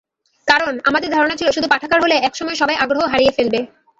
কারণ, আমাদের ধারণা ছিল শুধু পাঠাগার হলে একসময় সবাই আগ্রহ হারিয়ে ফেলবে।